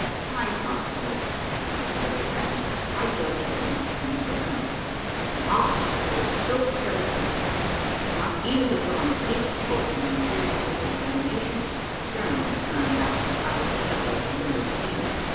"I thought so," observed the captain; "I judged as much from your appearance. An officer who is so careless of his dress, as not even to put on a decent coat when he appears at his examination, generally turns out an idle fellow, and no seaman.